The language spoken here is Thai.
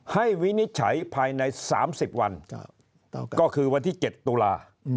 วินิจฉัยภายใน๓๐วันก็คือวันที่๗ตุลา